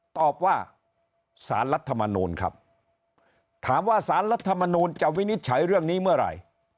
ตอบว่าสารรัฐมนูลครับถามว่าสารรัฐมนูลจะวินิจฉัยเรื่องนี้เมื่อไหร่